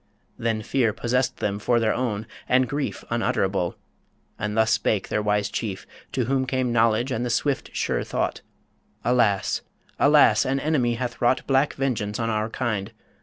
Then fear possessed them for their own, and grief Unutterable. And thus spake their wise chief, To whom came knowledge and the swift, sure thought "Alas! alas! an enemy hath wrought Black vengeance on our kind.